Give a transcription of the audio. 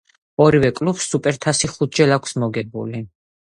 ორივე კლუბს სუპერთასი ხუთჯერ აქვს მოგებული.